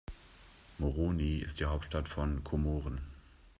Moroni ist die Hauptstadt von Komoren.